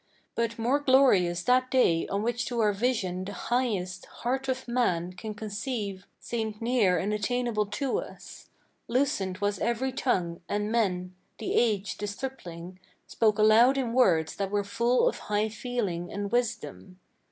But more glorious that day on which to our vision the highest Heart of man can conceive seemed near and attainable to us. Loosened was every tongue, and men the aged, the stripling Spoke aloud in words that were full of high feeling and wisdom.